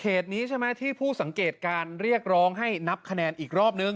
นี้ใช่ไหมที่ผู้สังเกตการเรียกร้องให้นับคะแนนอีกรอบนึง